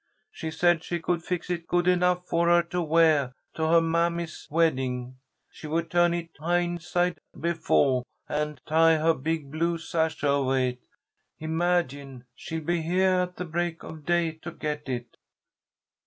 She said she could fix it good enough for her to weah to her mammy's wedding. She would 'turn it hine side befo'' and tie her big blue sash ovah it. Imagine! She'll be heah at the break of day to get it."